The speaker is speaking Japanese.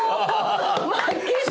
負けた！